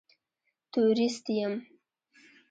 تورېست یم.